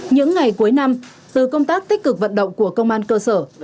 những ngày cuối năm từ công tác tích cực vận động của công an cơ sở